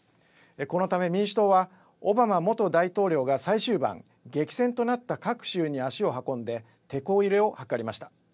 このため民主党はオバマ元大統領が最終盤、激戦となった各州に足を運んでてこ入れを図りました。